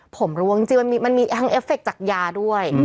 ผมรู้จริงมันมีทั้งเอฟเฟคจากยาด้วย